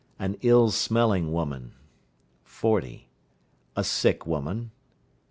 An ill smelling woman. 40. A sick woman. 41.